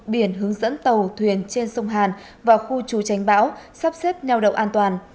biển hướng dẫn tàu thuyền trên sông hàn và khu trù tránh bão sắp xếp nhau đầu an toàn